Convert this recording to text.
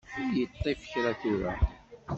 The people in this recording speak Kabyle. Ur y-iṭṭif kra tura.